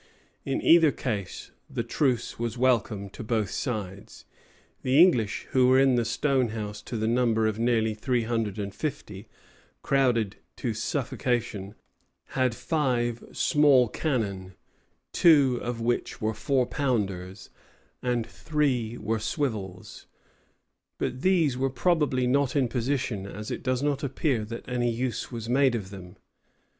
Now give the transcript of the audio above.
In either case, the truce was welcome to both sides. The English, who were in the stone house to the number of nearly three hundred and fifty, crowded to suffocation, had five small cannon, two of which were four pounders, and three were swivels; but these were probably not in position, as it does not appear that any use was made of them.